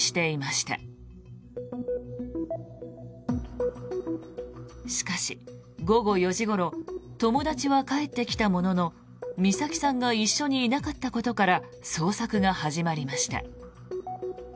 しかし、午後４時ごろ友達は帰ってきたものの美咲さんが一緒にいなかったことから捜索が始まりました。